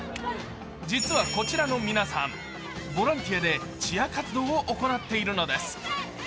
実はこちらの皆さん、ボランティアでチア活動を行っているのです。